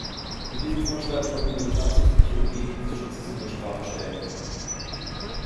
Mit diesem Vorschlag wollten wir das absichtliche Umgehen dieses Schutzes unter Strafe stellen.